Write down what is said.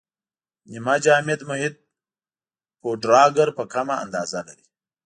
نیمه جامد محیط پوډراګر په کمه اندازه لري.